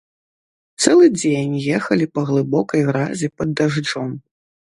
Цэлы дзень ехалі па глыбокай гразі пад дажджом.